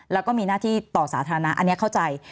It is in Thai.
แล้วก็มีหน้าที่ต่อสาธารณะอันนี้เข้าใจ